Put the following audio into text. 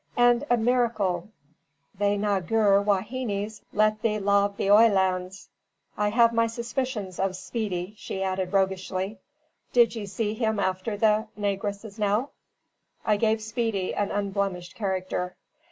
"And a miracle they naygur waheenies let ye lave the oilands. I have my suspicions of Shpeedy," she added, roguishly. "Did ye see him after the naygresses now?" I gave Speedy an unblemished character.